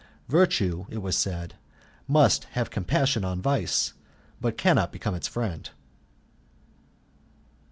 Virtue, it was said, may have compassion on vice, but cannot become its friend.